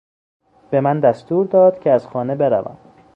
به من دستور داد که از خانه بروم.